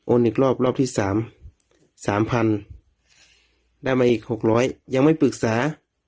อีกรอบรอบที่สามสามพันได้มาอีกหกร้อยยังไม่ปรึกษา